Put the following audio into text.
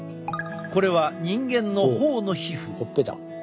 これは人間のほおの皮膚。